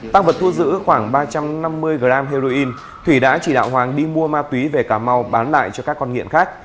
tăng vật thu giữ khoảng ba trăm năm mươi g heroin thủy đã chỉ đạo hoàng đi mua ma túy về cà mau bán lại cho các con nghiện khác